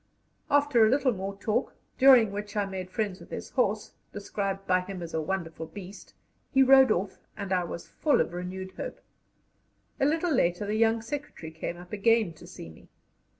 After a little more talk, during which I made friends with his horse, described by him as a wonderful beast, he rode off, and I was full of renewed hope. A little later the young secretary came up again to see me.